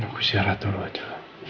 nah aku siarat dulu aja